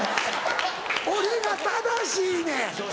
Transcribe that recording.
俺が正しいねん！